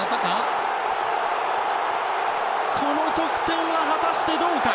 この得点は果たしてどうか。